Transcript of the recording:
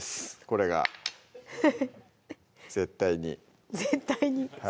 これが絶対に絶対に？